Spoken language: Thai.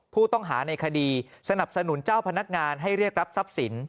ผู้ต้องหาในคดีสนับสนุนเจ้าพนักงานให้เรียกรับทรัพย์สิน